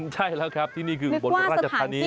ใช่แล้วครับที่นี่คืออุบลราชธานี